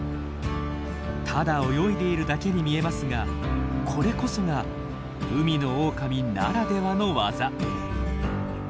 ただ泳いでいるだけに見えますがこれこそが海のオオカミならではの技。